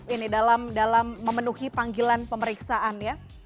ini dalam memenuhi panggilan pemeriksaan ya